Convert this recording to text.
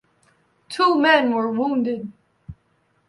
Two men were wounded.